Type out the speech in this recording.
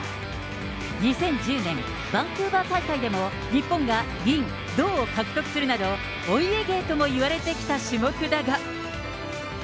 ２０１０年、バンクーバー大会でも、日本が銀、銅を獲得するなど、お家芸ともいわれてきた種目だが。